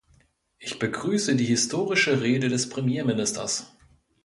Ich begrüße die historische Rede des Premierministers.